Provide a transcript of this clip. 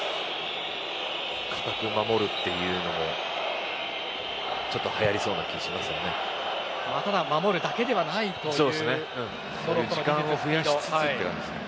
堅く守るというのもちょっとただ守るだけじゃないという。